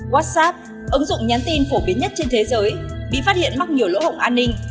whatsapp ứng dụng nhắn tin phổ biến nhất trên thế giới bị phát hiện mắc nhiều lỗ hổng an ninh